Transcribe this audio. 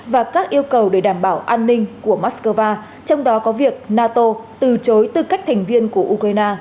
và các yêu cầu để đảm bảo an ninh của moscow trong đó có việc nato từ chối tư cách thành viên của ukraine